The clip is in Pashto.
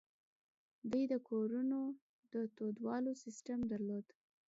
دوی د کورونو د تودولو سیستم درلود